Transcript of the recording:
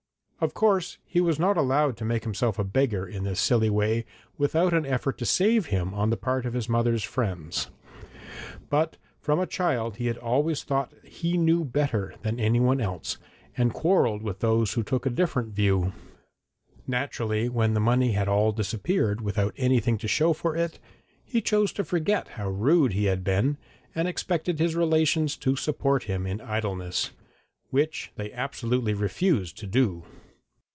Of course he was not allowed to make himself a beggar in this silly way without an effort to save him on the part of his mother's friends. But from a child he had always thought he knew better than anyone else, and quarrelled with those who took a different view. Naturally, when the money had all disappeared without anything to show for it, he chose to forget how rude he had been, and expected his relations to support him in idleness, which they absolutely refused to do.